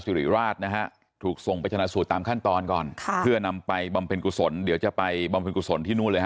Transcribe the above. สรุปราจนะฮะถูกส่งไปฉะน่าสู่ตามขั้นตอนก่อนครับเนยนำไปบำเพลงกุศลเดี๋ยวจะไปบำเพลงกุศลที่นู่น